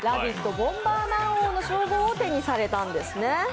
ボンバーマン王の称号を手にされたんですね。